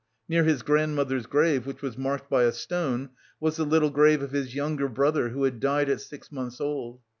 Near his grandmother's grave, which was marked by a stone, was the little grave of his younger brother who had died at six months old.